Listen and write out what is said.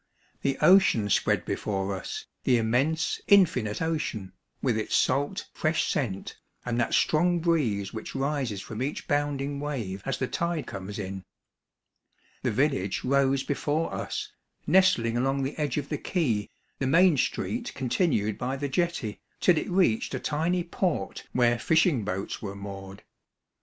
The ocean spread be fore us, the immense, infinite ocean, with its salt, fresh scent, and that strong breeze which rises from each bounding wave as the tide comes in. The village rose before us, nestling along the edge of the quay, the main street continued by the jetty, till it reached a tiny port where fishing boats were moored.